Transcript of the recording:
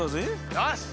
よし！